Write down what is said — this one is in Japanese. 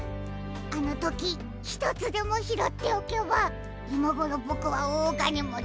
あのときひとつでもひろっておけばいまごろぼくはおおがねもちに。